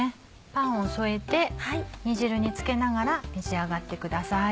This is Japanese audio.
パンを添えて煮汁につけながら召し上がってください。